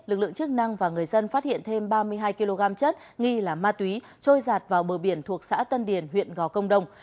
lực lượng chức năng và người dân phát hiện thêm ba mươi hai kg chất nghi là ma túy trôi giạt vào bờ biển thuộc xã tân điền huyện gò công đông